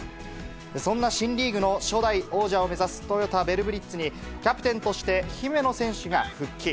そんな新リーグの初代王者を目指すトヨタヴェルブリッツに、キャプテンとして姫野選手が復帰。